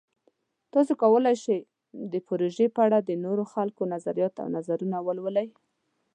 تاسو کولی شئ د پروژې په اړه د نورو خلکو نظریات او نظرونه ولولئ.